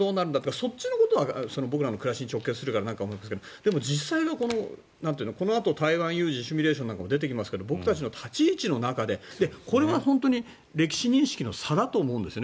そっちのことが僕らの生活に直結するけど実際は、このあと台湾有事のシミュレーションなんかも出てきますが僕らの立ち位置の中でこれは本当に歴史認識の差だと思うんですよね。